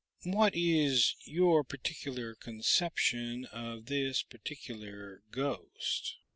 What is your particular conception of this particular ghost?"